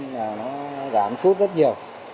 nó giảm sút rất nhiều